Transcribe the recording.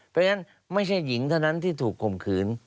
เพราะฉะนั้นไม่ใช่หญิงเท่านั้นที่ถูกข่มขืน